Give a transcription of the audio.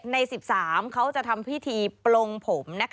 ใน๑๓เขาจะทำพิธีปลงผม